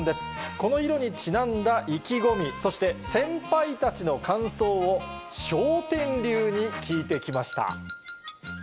この色にちなんだ意気込み、そして先輩たちの感想を、笑点流に聞いてきました。